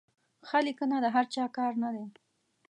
ښه لیکنه د هر چا کار نه دی.